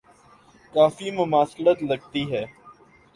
کافی مماثلت لگتی ہے۔